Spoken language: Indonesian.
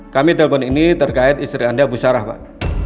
kami telpon ini terkait istri anda bu sarah pak